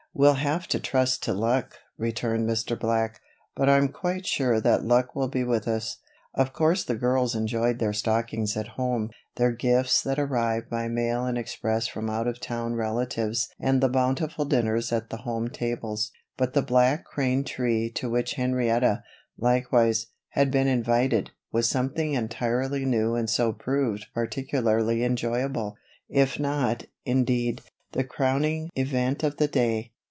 "We'll have to trust to luck," returned Mr. Black, "but I'm quite sure that luck will be with us." Of course the girls enjoyed their stockings at home, their gifts that arrived by mail and express from out of town relatives and the bountiful dinners at the home tables. But the Black Crane tree to which Henrietta, likewise, had been invited, was something entirely new and so proved particularly enjoyable; if not, indeed, the crowning event of the day.